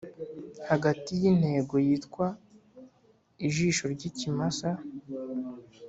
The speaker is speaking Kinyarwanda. hagati yintego yitwa "ijisho ryikimasa."